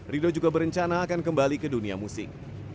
rido juga berencana akan kembali ke dunia musik